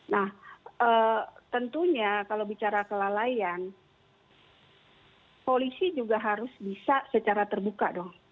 nah tentunya kalau bicara kelalaian polisi juga harus bisa secara terbuka dong